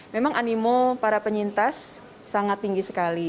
memang animo para penyintas sangat tinggi sekali